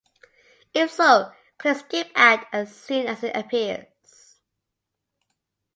If so, click "skip ad" as soon as it appears.